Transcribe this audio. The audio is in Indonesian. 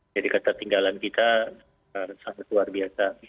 jadi ketetinggalan kita sangat luar biasa